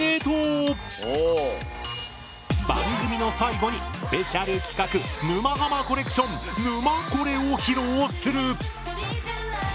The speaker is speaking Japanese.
番組の最後にスペシャル企画沼ハマコレクション「沼コレ」を披露する！